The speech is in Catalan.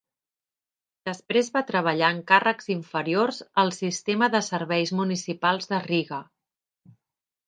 Després va treballar en càrrecs inferiors al sistema de serveis municipals de Riga.